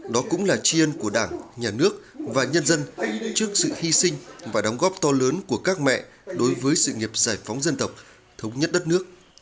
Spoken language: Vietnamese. đó cũng là tri ân của đảng nhà nước và nhân dân trước sự hy sinh và đóng góp to lớn của các mẹ đối với sự nghiệp giải phóng dân tộc thống nhất đất nước